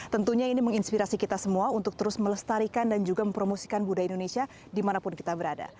tentunya ini menginspirasi kita semua untuk terus melestarikan dan juga mempromosikan budaya indonesia dimanapun kita berada